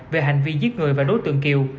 về hành vi giết người và đối tượng kiều